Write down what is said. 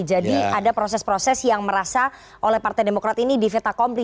jadi ada proses proses yang merasa oleh partai demokrat ini diveta kompli